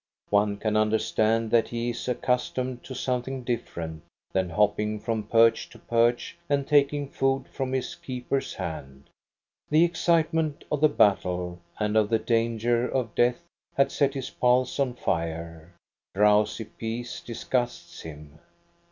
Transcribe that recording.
One can understand that he is accustomed to something different than hopping from perch to perch and taking food from his keeper's hand. The excite ment of the battle and of the danger of death had set his pulse on fire. Drowsy peace disgusts him.